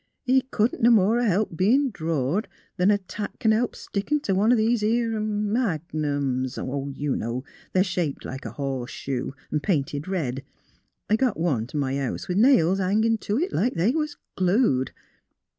He couldn't no more 'a' helped bein' drawed 'an a tack c'n help stickin' to one o' these 'ere magnums. ... You know; 198 THE HEART OF PHILURA they're shaped like a horse shoe, an' painted red. I got one t' my house, with nails a hangin' to it like they was glued."